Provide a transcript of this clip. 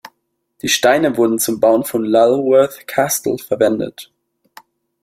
Die Steine wurden zum Bau von Lulworth Castle verwendet.